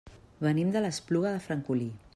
Venim de l'Espluga de Francolí.